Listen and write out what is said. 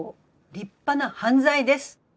立派な犯罪です。